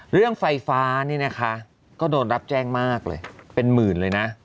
เรื่องไฟฟ้านี่นะคะก็โดนรับแจ้งมากเลยเป็นหมื่นเลยนะ